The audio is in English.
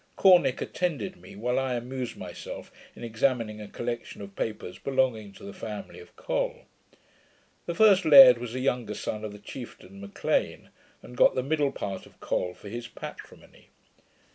Corneck attended me, while I amused myself in examining a collection of papers belonging to the family of Col. The first laird was a younger son of the chieftain M'Lean, and got the middle part of Col for his patrimony.